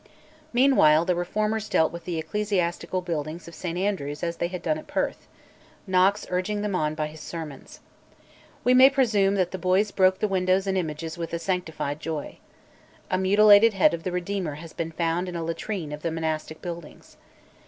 Meanwhile the reformers dealt with the ecclesiastical buildings of St Andrews as they had done at Perth, Knox urging them on by his sermons. We may presume that the boys broke the windows and images with a sanctified joy. A mutilated head of the Redeemer has been found in a latrine of the monastic buildings.